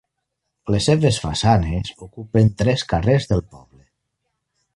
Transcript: Les seves façanes ocupen tres carrers del poble.